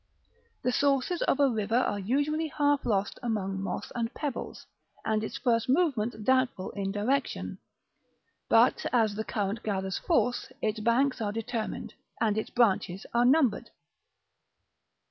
The sources of a river are usually half lost among moss and pebbles, and its first movements doubtful in direction; but, as the current gathers force, its banks are determined, and its branches are numbered.